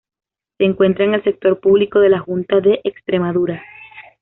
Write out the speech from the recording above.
Se encuentra en el sector público de la Junta de Extremadura.